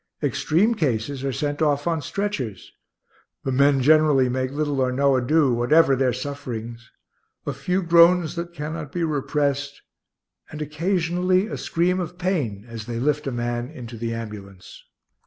Extreme cases are sent off on stretchers. The men generally make little or no ado, whatever their sufferings a few groans that cannot be repressed, and occasionally a scream of pain as they lift a man into the ambulance.